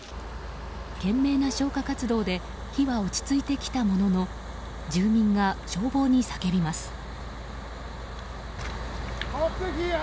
懸命な消火活動で火は落ち着いてきたものの住民が消防に叫びます。